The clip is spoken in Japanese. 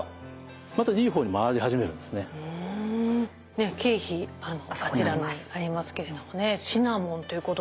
ねっ桂皮あちらにありますけれどもシナモンということで。